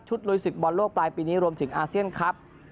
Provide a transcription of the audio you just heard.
ลุยศึกบอลโลกปลายปีนี้รวมถึงอาเซียนครับ